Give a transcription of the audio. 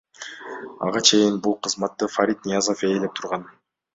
Ага чейин бул кызматты Фарид Ниязов ээлеп турган.